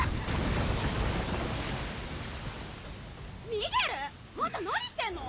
⁉ミゲル⁉あんた何してんの？